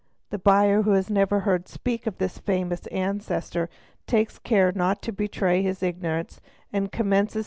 The buyer, who has never heard speak of this famous ancester takes care not to betray his ignorance and commences.